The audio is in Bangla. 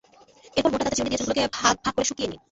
এরপর মোটা দাঁতের চিরুনি দিয়ে চুলগুলোকে ভাগ ভাগ করে শুকিয়ে নিন।